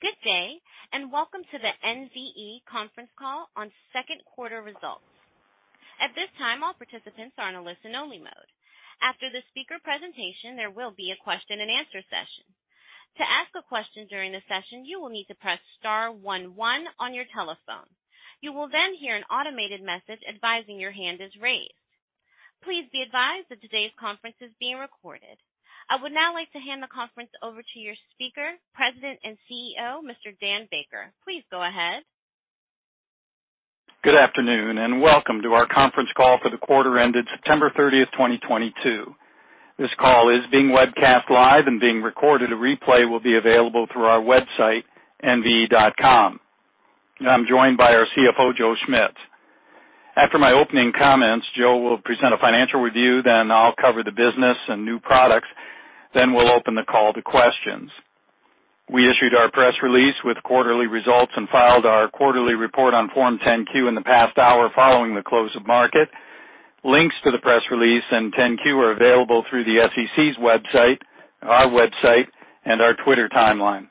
Good day, and welcome to the NVE conference call on Q2 results. At this time, all participants are in a listen-only mode. After the speaker presentation, there will be a question-and-answer session. To ask a question during the session, you will need to press * 1 1 on your telephone. You will then hear an automated message advising your hand is raised. Please be advised that today's conference is being recorded. I would now like to hand the conference over to your speaker, President and CEO, Mr. Dan Baker. Please go ahead. Good afternoon, and welcome to our conference call for the quarter ended September 30, 2022. This call is being webcast live and being recorded. A replay will be available through our website, nve.com. I'm joined by our CFO, Joe Schmitz. After my opening comments, Joe will present a financial review, then I'll cover the business and new products. We'll open the call to questions. We issued our press release with quarterly results and filed our quarterly report on Form 10-Q in the past hour following the close of market. Links to the press release and 10-Q are available through the SEC's website, our website, and our Twitter timeline.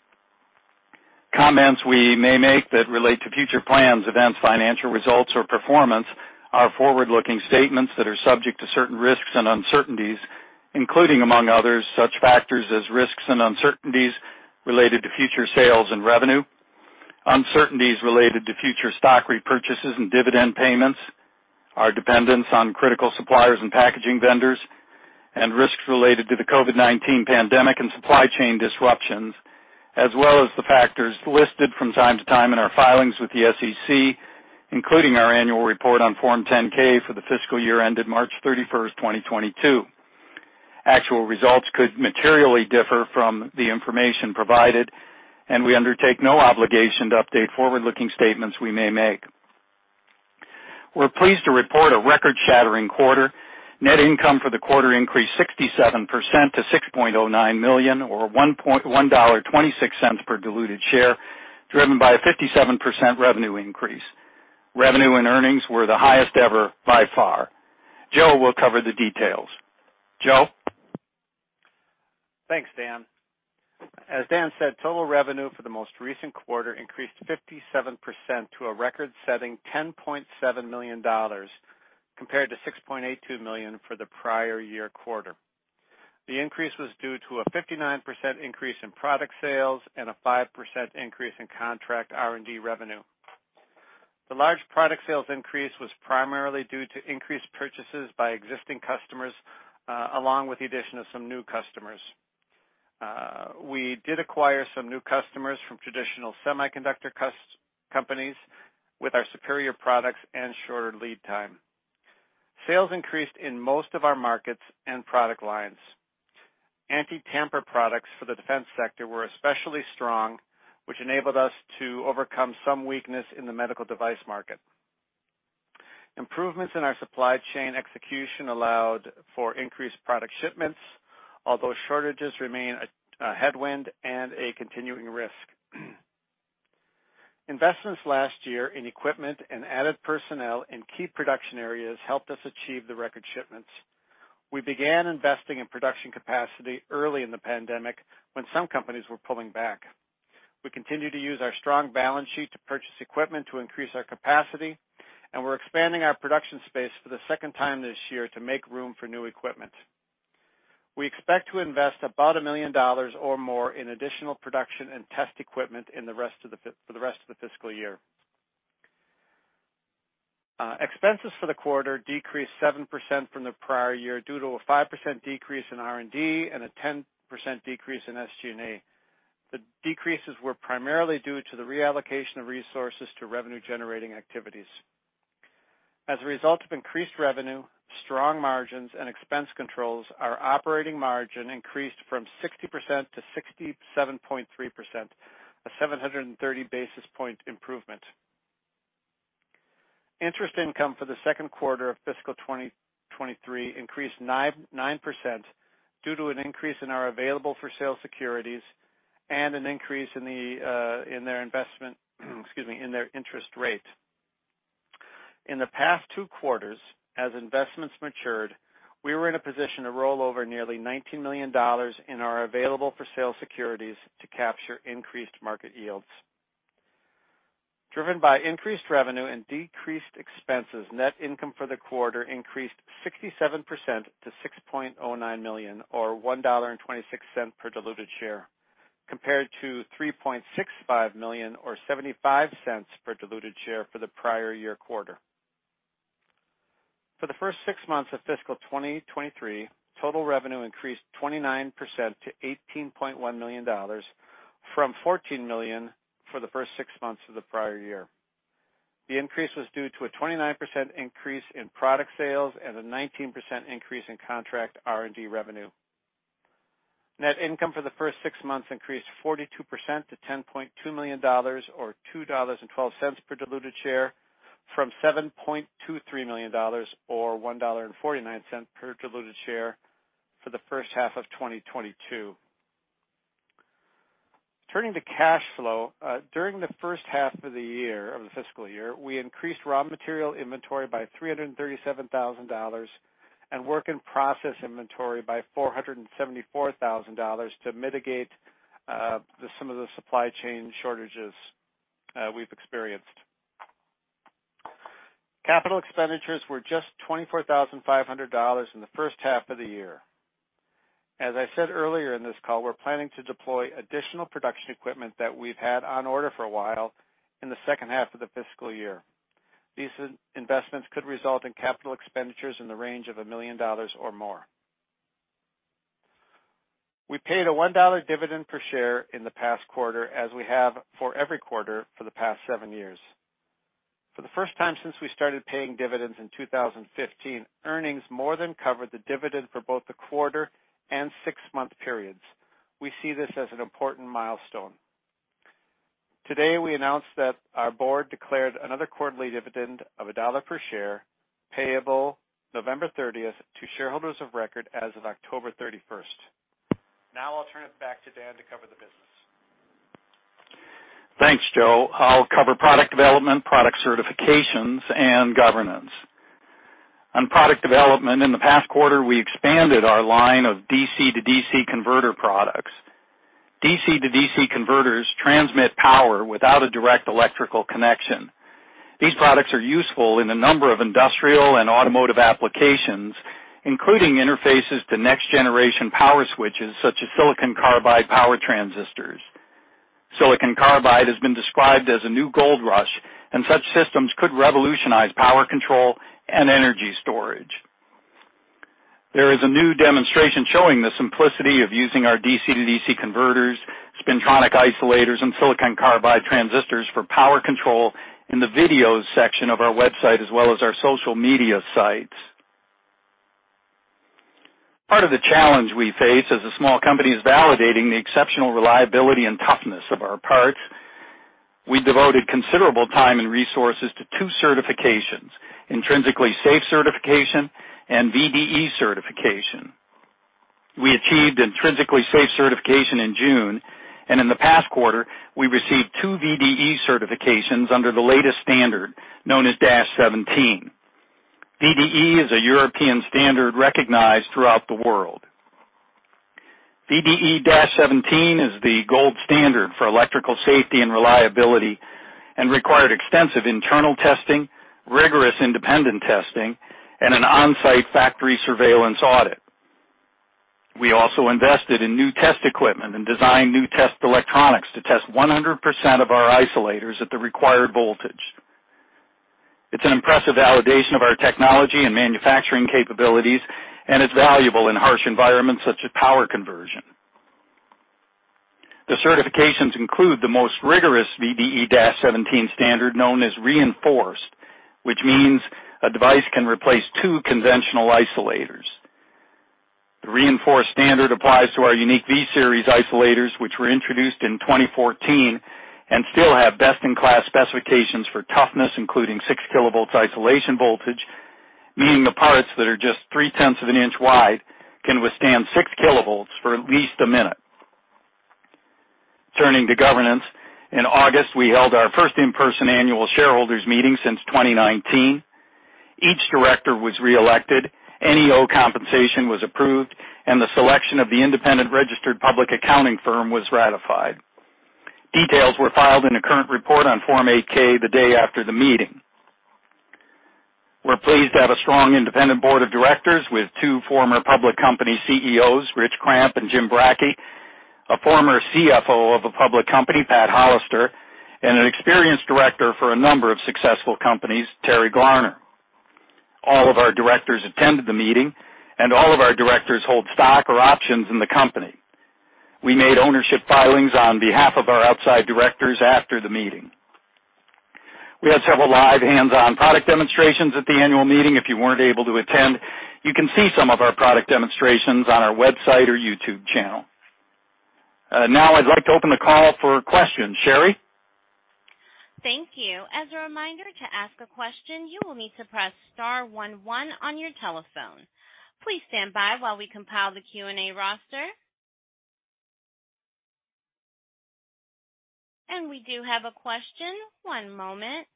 Comments we may make that relate to future plans, events, financial results, or performance are forward-looking statements that are subject to certain risks and uncertainties, including, among others, such factors as risks and uncertainties related to future sales and revenue, uncertainties related to future stock repurchases and dividend payments, our dependence on critical suppliers and packaging vendors, and risks related to the COVID-19 pandemic and supply chain disruptions, as well as the factors listed from time to time in our filings with the SEC, including our annual report on Form 10-K for the fiscal year ended March 31, 2022. Actual results could materially differ from the information provided, and we undertake no obligation to update forward-looking statements we may make. We're pleased to report a record-shattering quarter. Net income for the quarter increased 67% to $6.09 million, or $1.26 per diluted share, driven by a 57% revenue increase. Revenue and earnings were the highest ever by far. Joe will cover the details. Joe? Thanks, Dan. As Dan said, total revenue for the most recent quarter increased 57% to a record-setting $10.7 million compared to $6.82 million for the prior year quarter. The increase was due to a 59% increase in product sales and a 5% increase in contract R&D revenue. The large product sales increase was primarily due to increased purchases by existing customers, along with the addition of some new customers. We did acquire some new customers from traditional semiconductor companies with our superior products and shorter lead time. Sales increased in most of our markets and product lines. Anti-tamper products for the defense sector were especially strong, which enabled us to overcome some weakness in the medical device market. Improvements in our supply chain execution allowed for increased product shipments, although shortages remain a headwind and a continuing risk. Investments last year in equipment and added personnel in key production areas helped us achieve the record shipments. We began investing in production capacity early in the pandemic when some companies were pulling back. We continue to use our strong balance sheet to purchase equipment to increase our capacity, and we're expanding our production space for the second time this year to make room for new equipment. We expect to invest about $1 million or more in additional production and test equipment for the rest of the fiscal year. Expenses for the quarter decreased 7% from the prior year due to a 5% decrease in R&D and a 10% decrease in SG&A. The decreases were primarily due to the reallocation of resources to revenue-generating activities. As a result of increased revenue, strong margins, and expense controls, our operating margin increased from 60% to 67.3%, a 730 basis point improvement. Interest income for the Q2 of fiscal 2023 increased 9.9% due to an increase in our available-for-sale securities and an increase in their interest rate. In the past two quarters, as investments matured, we were in a position to roll over nearly $19 million in our available-for-sale securities to capture increased market yields. Driven by increased revenue and decreased expenses, net income for the quarter increased 67% to $6.09 million, or $1.26 per diluted share, compared to $3.65 million or $0.75 per diluted share for the prior year quarter. For the first six months of fiscal 2023, total revenue increased 29% to $18.1 million from $14 million for the first six months of the prior year. The increase was due to a 29% increase in product sales and a 19% increase in contract R&D revenue. Net income for the first six months increased 42% to $10.2 million or $2.12 per diluted share from $7.23 million or $1.49 per diluted share for the first half of 2022. Turning to cash flow, during the first half of the fiscal year, we increased raw material inventory by $337,000 and work in process inventory by $474,000 to mitigate some of the supply chain shortages we've experienced. Capital expenditures were just $24,500 in the first half of the year. As I said earlier in this call, we're planning to deploy additional production equipment that we've had on order for a while in the second half of the fiscal year. These investments could result in capital expenditures in the range of $1 million or more. We paid a $1 dividend per share in the past quarter, as we have for every quarter for the past seven years. For the first time since we started paying dividends in 2015, earnings more than covered the dividend for both the quarter and 6-month periods. We see this as an important milestone. Today, we announced that our board declared another quarterly dividend of $1 per share, payable November 30 to shareholders of record as of October 31. Now I'll turn it back to Dan to cover the business. Thanks, Joe. I'll cover product development, product certifications, and governance. On product development, in the past quarter, we expanded our line of DC-to-DC converter products. DC-to-DC converters transmit power without a direct electrical connection. These products are useful in a number of industrial and automotive applications, including interfaces to next-generation power switches such as silicon carbide power transistors. Silicon carbide has been described as a new gold rush, and such systems could revolutionize power control and energy storage. There is a new demonstration showing the simplicity of using our DC-to-DC converters, Spintronic isolators, and silicon carbide transistors for power control in the videos section of our website as well as our social media sites. Part of the challenge we face as a small company is validating the exceptional reliability and toughness of our parts. We devoted considerable time and resources to two certifications, Intrinsically Safe certification and VDE certification. We achieved Intrinsically Safe certification in June, and in the past quarter, we received two VDE certifications under the latest standard, known as 0884-17. VDE is a European standard recognized throughout the world. VDE 0884-17 is the gold standard for electrical safety and reliability, and required extensive internal testing, rigorous independent testing, and an on-site factory surveillance audit. We also invested in new test equipment and designed new test electronics to test 100% of our isolators at the required voltage. It's an impressive validation of our technology and manufacturing capabilities, and it's valuable in harsh environments such as power conversion. The certifications include the most rigorous VDE 0884-17 standard known as Reinforced, which means a device can replace two conventional isolators. The Reinforced standard applies to our unique V-Series isolators, which were introduced in 2014, and still have best-in-class specifications for toughness, including 6 kilovolts isolation voltage, meaning the parts that are just 0.3 of an inch wide can withstand 6 kilovolts for at least a minute. Turning to governance, in August, we held our first in-person annual shareholders meeting since 2019. Each director was reelected, NEO compensation was approved, and the selection of the independent registered public accounting firm was ratified. Details were filed in a current report on Form 8-K the day after the meeting. We're pleased to have a strong independent board of directors with two former public company CEOs, Richard Kramp and James W. Bracke, a former CFO of a public company, Patricia M. Hollister, and an experienced director for a number of successful companies, Terrence W. Glarner. All of our directors attended the meeting, and all of our directors hold stock or options in the company. We made ownership filings on behalf of our outside directors after the meeting. We had several live hands-on product demonstrations at the annual meeting. If you weren't able to attend, you can see some of our product demonstrations on our website or YouTube channel. Now I'd like to open the call for questions. Sherry? Thank you. As a reminder, to ask a question, you will need to press * 1 1 on your telephone. Please stand by while we compile the Q&A roster. We do have a question. One moment.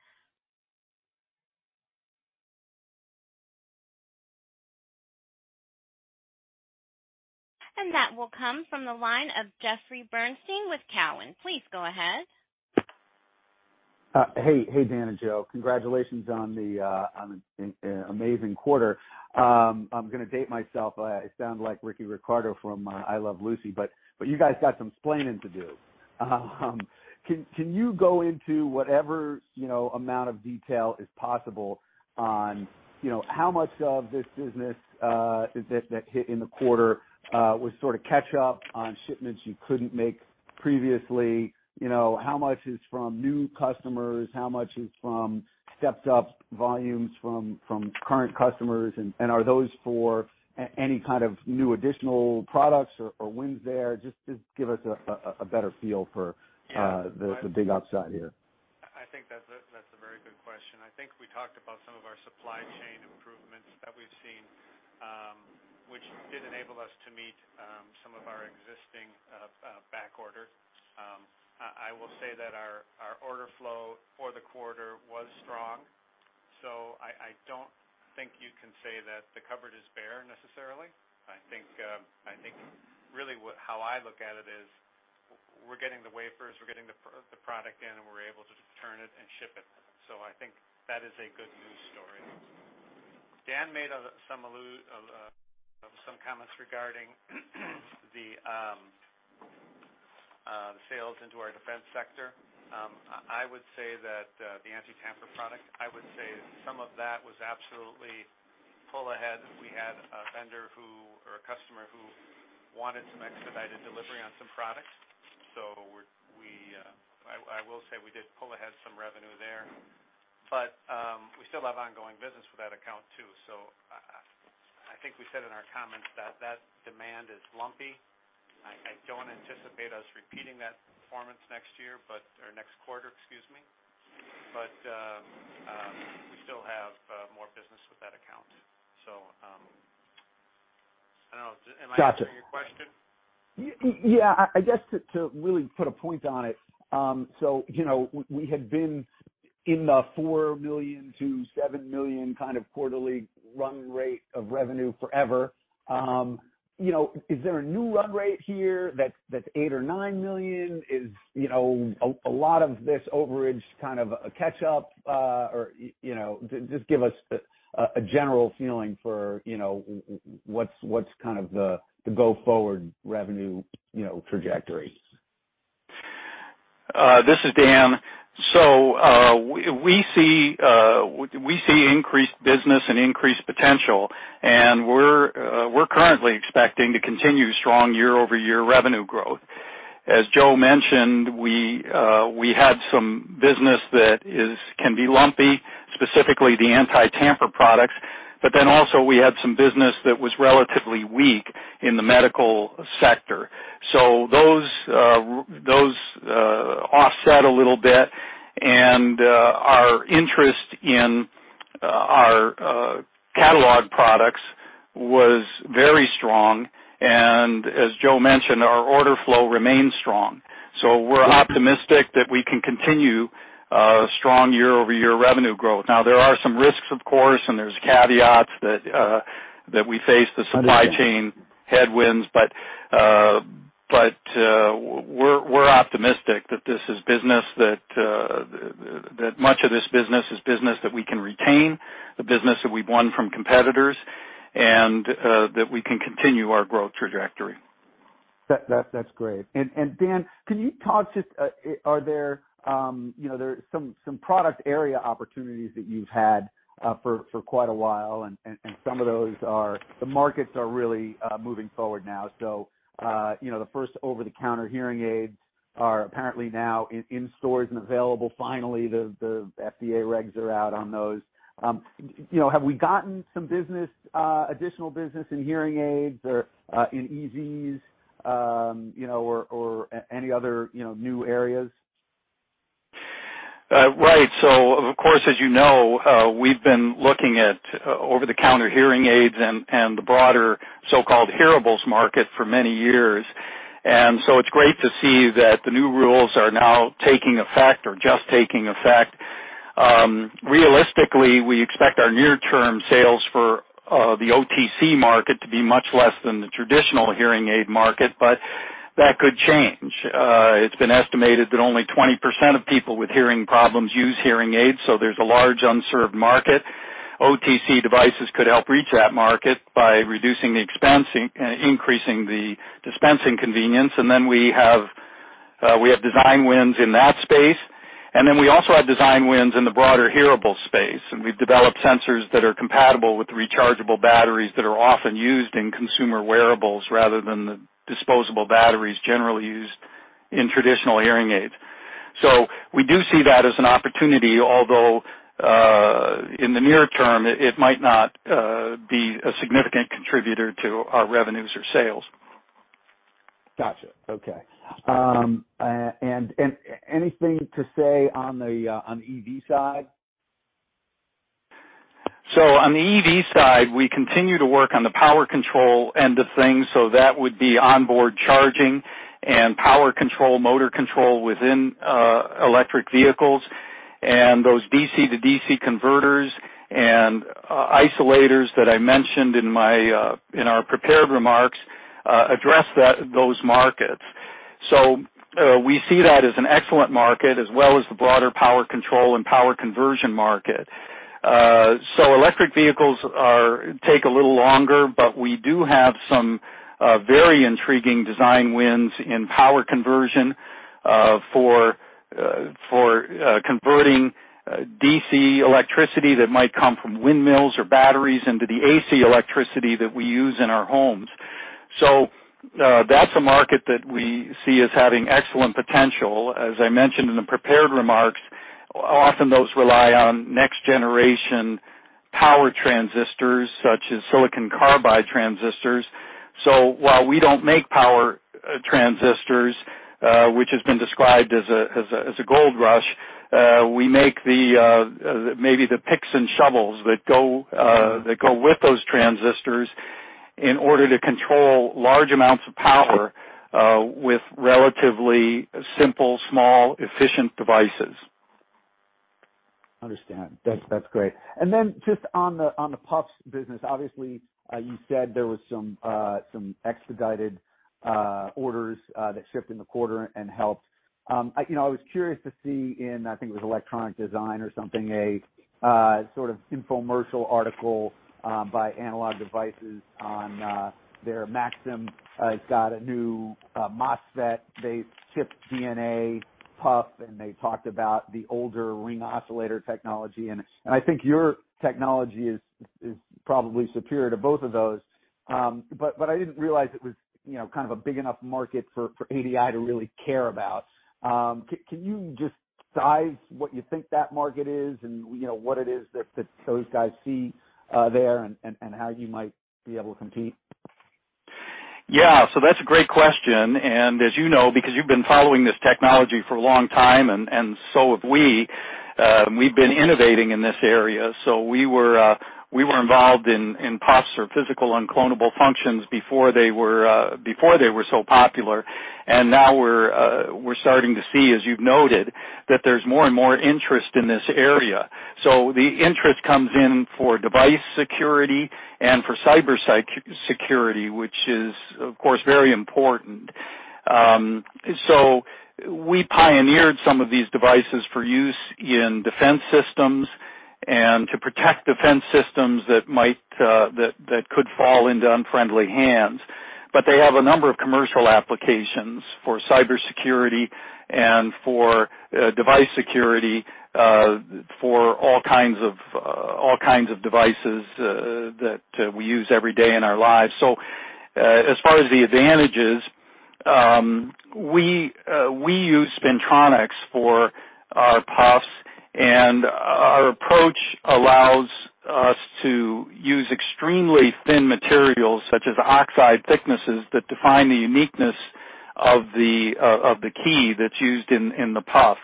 That will come from the line of Jeffrey Bernstein with Cowen. Please go ahead. Hey, Dan and Joe. Congratulations on an amazing quarter. I'm gonna date myself. I sound like Ricky Ricardo from I Love Lucy, but you guys got some explaining to do. Can you go into whatever, you know, amount of detail is possible on, you know, how much of this business is it that hit in the quarter was sort of catch up on shipments you couldn't make previously? You know, how much is from new customers? How much is from stepped up volumes from current customers? And are those for any kind of new additional products or wins there? Just give us a better feel for Yeah, I think. The big upside here. I think that's a very good question. I think we talked about some of our supply chain improvements that we've seen. That did enable us to meet some of our existing back order. I will say that our order flow for the quarter was strong, so I don't think you can say that the cupboard is bare necessarily. I think really how I look at it is we're getting the wafers, we're getting the product in, and we're able to turn it and ship it. I think that is a good news story. Dan made some comments regarding the sales into our defense sector. I would say that the anti-tamper product, I would say some of that was absolutely pull ahead. We had a vendor who, or a customer who wanted some expedited delivery on some products. I will say we did pull ahead some revenue there. We still have ongoing business with that account too. I think we said in our comments that demand is lumpy. I don't anticipate us repeating that performance next year or next quarter, excuse me. We still have more business with that account. I don't know. Am I answering your question? Gotcha. Yeah, I guess to really put a point on it, so you know, we had been in the $4 - 7 million kind of quarterly run rate of revenue forever. You know, is there a new run rate here that's $8 million or $9 million? Is you know a lot of this overage kind of a catch up or you know just give us a general feeling for you know what's kind of the go forward revenue you know trajectory. This is Dan. We see increased business and increased potential, and we're currently expecting to continue strong year-over-year revenue growth. As Joe mentioned, we had some business that can be lumpy, specifically the anti-tamper products, but then also we had some business that was relatively weak in the medical sector. Those offset a little bit, and our interest in our catalog products was very strong. As Joe mentioned, our order flow remains strong. We're optimistic that we can continue strong year-over-year revenue growth. Now, there are some risks, of course, and there's caveats that we face the supply chain headwinds. We're optimistic that this is business that much of this business is business that we can retain, the business that we've won from competitors, and that we can continue our growth trajectory. That's great. Dan, can you talk just, are there, you know, there are some product area opportunities that you've had for quite a while, and some of those are, the markets are really moving forward now. You know, the first over-the-counter hearing aids are apparently now in stores and available finally. The FDA regs are out on those. You know, have we gotten some business, additional business in hearing aids or in EVs, you know, or any other new areas? Right. Of course, as you know, we've been looking at over-the-counter hearing aids and the broader so-called hearables market for many years. It's great to see that the new rules are now taking effect or just taking effect. Realistically, we expect our near-term sales for the OTC market to be much less than the traditional hearing aid market, but that could change. It's been estimated that only 20% of people with hearing problems use hearing aids, so there's a large unserved market. OTC devices could help reach that market by reducing the expense, increasing the dispensing convenience. We have design wins in that space. We also have design wins in the broader hearables space. We've developed sensors that are compatible with rechargeable batteries that are often used in consumer wearables rather than the disposable batteries generally used in traditional hearing aids. We do see that as an opportunity, although in the near term it might not be a significant contributor to our revenues or sales. Gotcha. Okay. Anything to say on the EV side? On the EV side, we continue to work on the power control end of things, so that would be onboard charging and power control, motor control within electric vehicles. Those DC-to-DC converters and isolators that I mentioned in our prepared remarks address those markets. We see that as an excellent market as well as the broader power control and power conversion market. Electric vehicles take a little longer, but we do have some very intriguing design wins in power conversion for converting DC electricity that might come from windmills or batteries into the AC electricity that we use in our homes. That's a market that we see as having excellent potential. As I mentioned in the prepared remarks, often those rely on next-generation power transistors, such as silicon carbide transistors. While we don't make power transistors, which has been described as a gold rush, we make the maybe the picks and shovels that go with those transistors in order to control large amounts of power, with relatively simple, small, efficient devices. Understand. That's great. Then just on the PUFs business, obviously, you said there was some expedited orders that shipped in the quarter and helped. You know, I was curious to see in, I think it was Electronic Design or something, a sort of infomercial article by Analog Devices on their Maxim got a new MOSFET. They shipped ChipDNA PUF, and they talked about the older ring oscillator technology. I think your technology is probably superior to both of those. But I didn't realize it was you know, kind of a big enough market for ADI to really care about. Can you just size what you think that market is and, you know, what it is that those guys see there and how you might be able to compete? Yeah. That's a great question. As you know, because you've been following this technology for a long time, and so have we've been innovating in this area. We were involved in PUFs or physical unclonable functions before they were so popular. Now we're starting to see, as you've noted, that there's more and more interest in this area. The interest comes in for device security and for cyber security, which is, of course, very important. We pioneered some of these devices for use in defense systems and to protect defense systems that could fall into unfriendly hands. They have a number of commercial applications for cybersecurity and for device security, for all kinds of devices that we use every day in our lives. As far as the advantages, we use spintronics for our PUFs, and our approach allows us to use extremely thin materials such as oxide thicknesses that define the uniqueness of the key that's used in the PUF.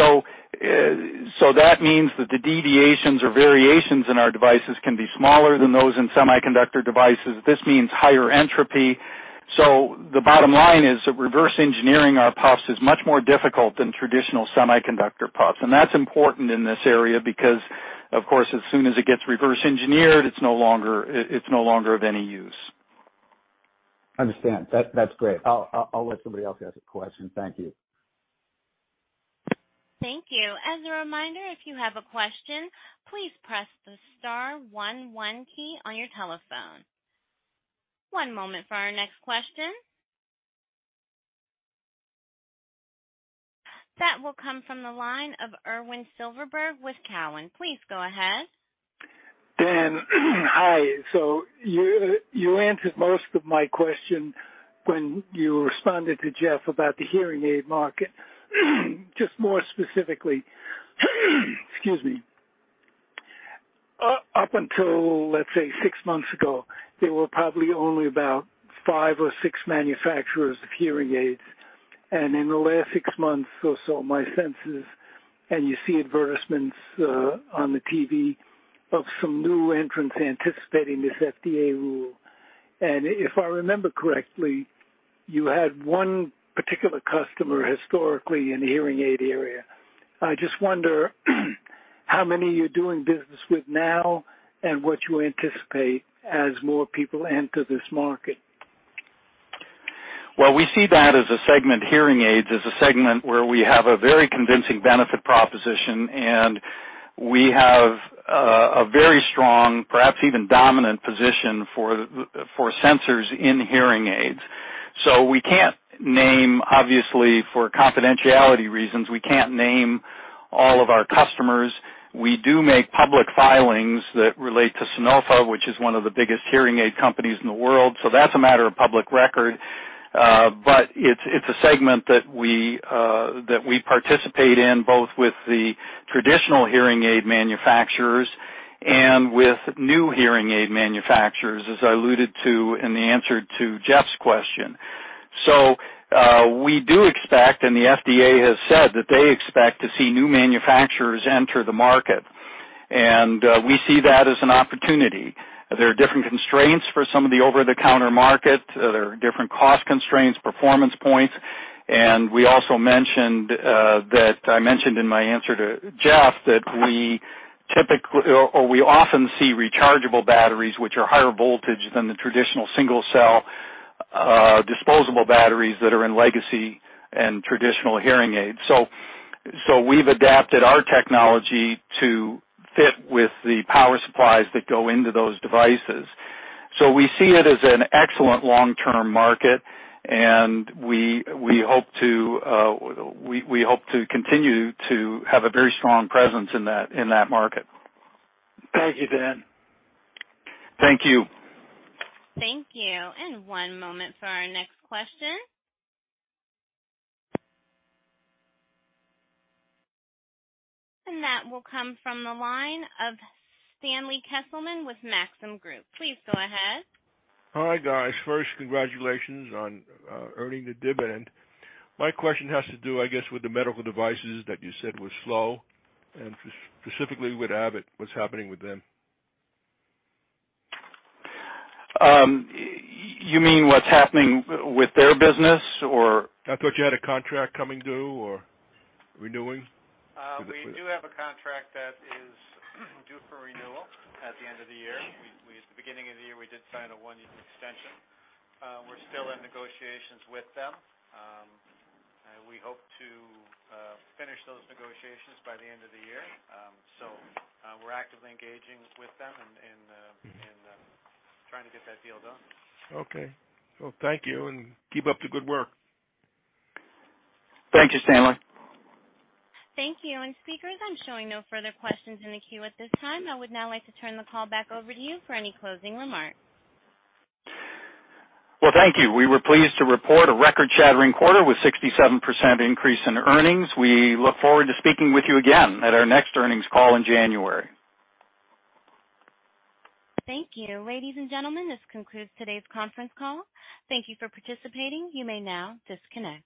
That means that the deviations or variations in our devices can be smaller than those in semiconductor devices. This means higher entropy. The bottom line is that reverse engineering our PUFs is much more difficult than traditional semiconductor PUFs. That's important in this area because, of course, as soon as it gets reverse engineered, it's no longer of any use. Understand. That's great. I'll let somebody else ask a question. Thank you. Thank you. As a reminder, if you have a question, please press the * 1 1 key on your telephone. One moment for our next question. That will come from the line of Irwin Silverberg with Cowen. Please go ahead. Dan, hi. You answered most of my question when you responded to Jeff about the hearing aid market. Just more specifically, excuse me. Up until, let's say, 6 months ago, there were probably only about 5 or 6 manufacturers of hearing aids. In the last 6 months or so, my sense is, and you see advertisements on the TV of some new entrants anticipating this FDA rule. If I remember correctly, you had 1 particular customer historically in the hearing aid area. I just wonder, how many you're doing business with now and what you anticipate as more people enter this market. Well, we see that as a segment, hearing aids, as a segment where we have a very convincing benefit proposition, and we have a very strong, perhaps even dominant position for sensors in hearing aids. We can't name, obviously, for confidentiality reasons, we can't name all of our customers. We do make public filings that relate to Sonova, which is one of the biggest hearing aid companies in the world. That's a matter of public record. But it's a segment that we participate in, both with the traditional hearing aid manufacturers and with new hearing aid manufacturers, as I alluded to in the answer to Jeff's question. We do expect, and the FDA has said, that they expect to see new manufacturers enter the market. We see that as an opportunity. There are different constraints for some of the over-the-counter market. There are different cost constraints, performance points. We also mentioned that I mentioned in my answer to Jeff that we typically or we often see rechargeable batteries, which are higher voltage than the traditional single-cell, disposable batteries that are in legacy and traditional hearing aids. We've adapted our technology to fit with the power supplies that go into those devices. We see it as an excellent long-term market, and we hope to continue to have a very strong presence in that market. Thank you, Dan. Thank you. Thank you. One moment for our next question. That will come from the line of Stanley Keselman with Maxim Group. Please go ahead. Hi, guys. First, congratulations on earning the dividend. My question has to do, I guess, with the medical devices that you said were slow and specifically with Abbott, what's happening with them? You mean what's happening with their business or? I thought you had a contract coming due or renewing. We do have a contract that is due for renewal at the end of the year. At the beginning of the year, we did sign a one-year extension. We're still in negotiations with them. We hope to finish those negotiations by the end of the year. We're actively engaging with them and trying to get that deal done. Okay. Well, thank you, and keep up the good work. Thank you, Stanley. Thank you. Speakers, I'm showing no further questions in the queue at this time. I would now like to turn the call back over to you for any closing remarks. Well, thank you. We were pleased to report a record-shattering quarter with 67% increase in earnings. We look forward to speaking with you again at our next earnings call in January. Thank you. Ladies and gentlemen, this concludes today's conference call. Thank you for participating. You may now disconnect.